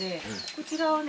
こちらはね